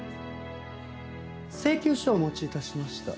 請求書をお持ち致しました。